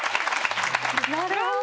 なるほど！